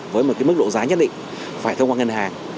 với một cái mức độ giá nhất định phải thông qua ngân hàng